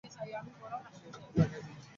সে এদিকে তাকায় কিনা।